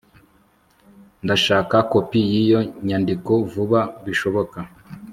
ndashaka kopi yiyo nyandiko vuba bishoboka